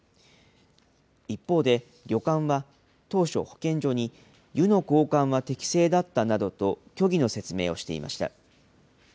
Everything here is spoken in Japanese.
一方で、旅館は当初、保健所に湯の交換は適正だったなどと、虚偽の説明をしていました。